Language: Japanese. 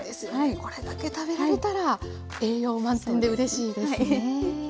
これだけ食べられたら栄養満点でうれしいですね。